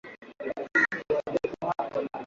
Mina juwa bunene bwa mashamba ya mama